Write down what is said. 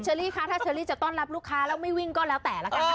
คะถ้าเชอรี่จะต้อนรับลูกค้าแล้วไม่วิ่งก็แล้วแต่ละกันค่ะ